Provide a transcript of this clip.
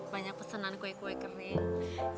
banyak pesanan kue kue kering